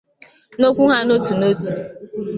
n'okwu ha n'otu n'otu